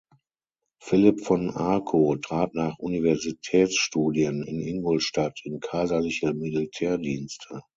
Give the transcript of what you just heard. Phillip von Arco trat nach Universitätsstudien in Ingolstadt in kaiserliche Militärdienste.